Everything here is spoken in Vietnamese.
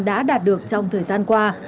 đã đạt được trong thời gian qua